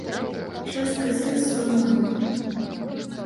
Частка з іх зламаная.